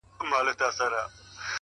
پوه انسان د حقیقت قدر کوي؛